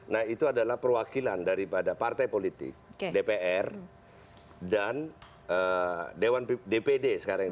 nah itu adalah perwakilan dari pada partai politik dpr dan dpd sekarang